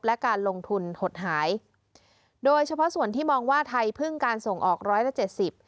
และการลงทุนหดหายโดยเฉพาะส่วนที่มองว่าไทยพึ่งการส่งออกร้อยละเจ็ดสิบ